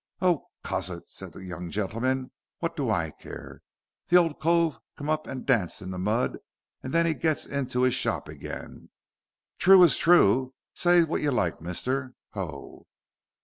"Oh, cuss it," said that young gentleman, "wot d' I care. Th' ole cove come an' danced in the mud, and then he gits int' his shorp again. Trew is trew, saiy wot y' like, mister ho."